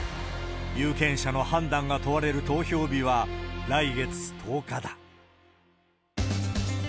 有権者の判断が問われる投票日は来月１０日だ。